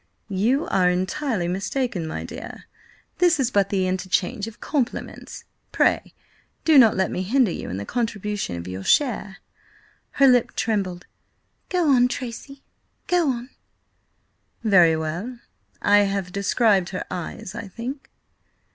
"You are entirely mistaken, my dear. This is but the interchange of compliments. Pray, do not let me hinder you in the contribution of your share!" Her lip trembled. "Go on, Tracy, go on." "Very well. I had described her eyes, I think?"